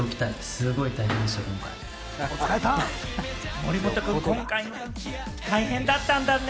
森本君、今回大変だったんだね。